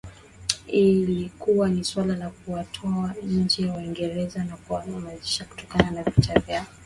Ilikuwa ni suala na kuwatoa nje Waingereza na kuwanyamanzisha kutokana na vita vyao